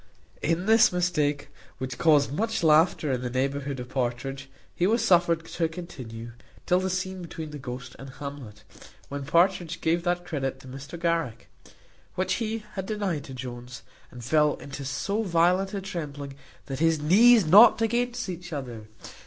In this mistake, which caused much laughter in the neighbourhood of Partridge, he was suffered to continue, till the scene between the ghost and Hamlet, when Partridge gave that credit to Mr Garrick, which he had denied to Jones, and fell into so violent a trembling, that his knees knocked against each other.